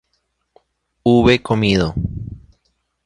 hube comido